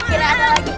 akhirnya ada lagi